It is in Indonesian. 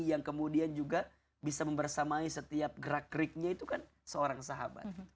yang kemudian juga bisa membersamai setiap gerak geriknya itu kan seorang sahabat